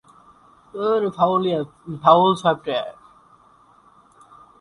শিক্ষাবিদ এবং বুদ্ধিজীবী হুসেইন ছিলেন দেশের প্রথম মুসলিম রাষ্ট্রপতি।